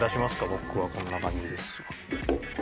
僕はこんな感じですわ。